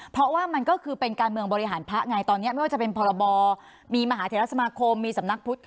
เพราะว่ามันก็คือเป็นการเมืองบริหารพระไงตอนนี้ไม่ว่าจะเป็นพรบมีมหาเทรสมาคมมีสำนักพุทธ